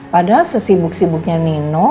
padahal sesibuk sibuknya nino